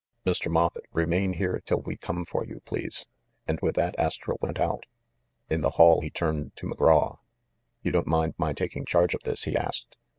Mr. MofTett, remain here till we come for you, please." And with that, Astro went out. In the hall he turned to McGraw. "You don't mind my taking charge of this?" he asked.